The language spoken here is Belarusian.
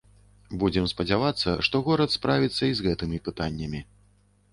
Будзем спадзявацца, што горад справіцца і з гэтымі пытаннямі.